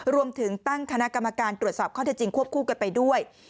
รวมถึงตั้งคณะกรรมการตรวจสอบข้อเท็จจริงควบคู่กันไปด้วย